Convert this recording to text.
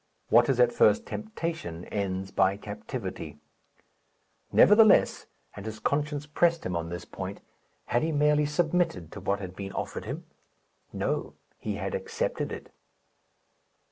What is at first temptation ends by captivity. Nevertheless and his conscience pressed him on this point had he merely submitted to what had been offered him? No; he had accepted it.